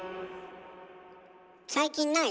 最近ない？